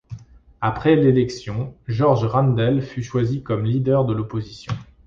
Après l'élection, George Randell fut choisi comme leader de l'opposition.